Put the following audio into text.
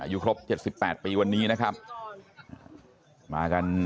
อายุครบ๗๘ปีวันนี้นะครับ